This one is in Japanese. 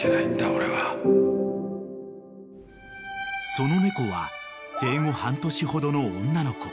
［その猫は生後半年ほどの女の子］